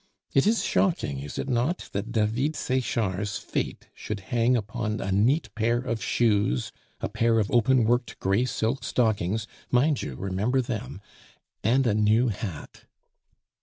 It is shocking, is it not, that David Sechard's fate should hang upon a neat pair of shoes, a pair of open worked gray silk stockings (mind you, remember them), and a new hat?